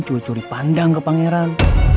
curi curi pandang ke pangeran